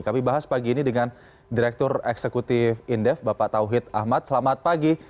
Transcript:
kami bahas pagi ini dengan direktur eksekutif indef bapak tauhid ahmad selamat pagi